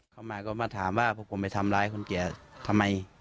เข้ามาก็มาถามว่าพวกผมไปทำร้ายคนแก่ทำไม